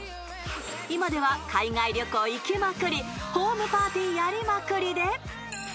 ［今では海外旅行行きまくりホームパーティーやりまくりで］